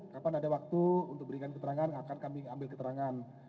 kapan ada waktu untuk berikan keterangan akan kami ambil keterangan